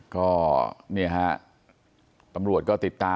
ก็เนี่ยฮะ